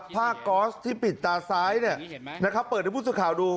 ผ้าก๊อสที่ปิดตาซ้ายเปิดในพุธศุกรข่าวดู